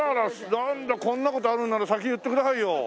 なんだこんな事あるなら先に言ってくださいよ。